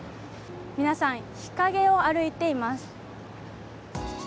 皆さん、日陰を歩いています。